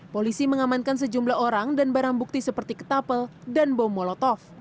polisi mengamankan sejumlah orang dan barang bukti seperti ketapel dan bom molotov